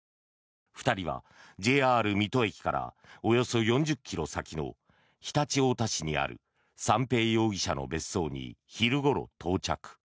２人はＪＲ水戸駅からおよそ４０ｋｍ先の常陸太田市にある三瓶容疑者の別荘に昼ごろ到着。